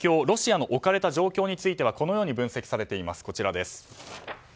ロシアの置かれた状況についてはこのように分析されています。